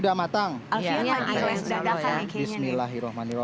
dibalik lagi minta ini